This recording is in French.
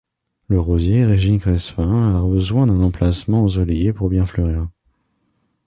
Le rosier 'Régine Crespin' a besoin d'un emplacement ensoleillé pour bien fleurir.